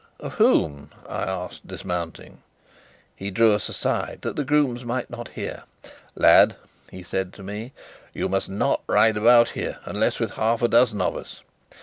"Of whom?" I asked, dismounting. He drew us aside, that the grooms might not hear. "Lad," he said to me, "you must not ride about here, unless with half a dozen of us.